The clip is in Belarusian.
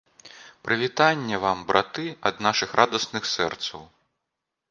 Прывітанне вам, браты, ад нашых радасных сэрцаў.